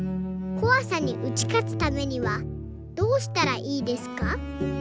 こわさに打ち勝つためにはどうしたらいいですか？」。